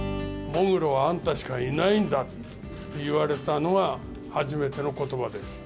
喪黒はあんたしかいないんだって言われたのは、初めてのことばです。